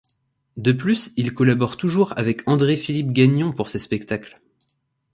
De plus, il collabore toujours avec André-Philippe Gagnon pour ses spectacles.